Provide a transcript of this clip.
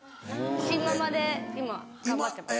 シンママで今頑張ってます。